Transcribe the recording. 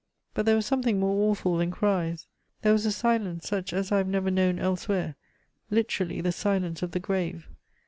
"But there was something more awful than cries; there was a silence such as I have never known elsewhere literally, the silence of the grave.